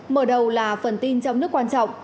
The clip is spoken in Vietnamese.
mở đầu là phần tin trong nước quan trọng